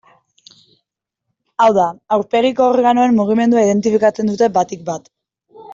Hau da, aurpegiko organoen mugimendua identifikatzen dute batik bat.